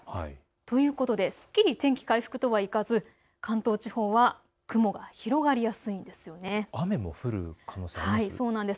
ということで、すっきり天気回復とはいかず関東地方は雲が広がりやすいんです。